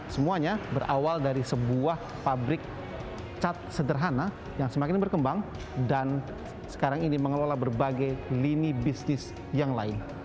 semuanya berawal dari sebuah pabrik cat sederhana yang semakin berkembang dan sekarang ini mengelola berbagai lini bisnis yang lain